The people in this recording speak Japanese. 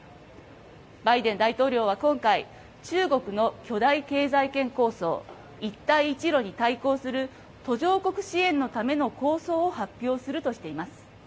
バイデン大統領は今回、中国の巨大経済圏構想、一帯一路に対抗する途上国支援のための構想を発表するとしています。